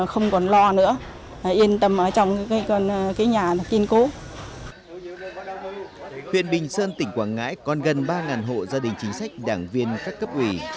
huyện bình sơn tỉnh quảng ngãi còn gần ba hộ gia đình chính sách đảng viên các cấp ủy